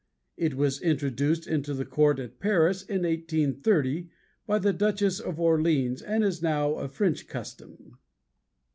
It was introduced into the court at Paris in 1830 by the Duchess of Orleans and is now a French custom.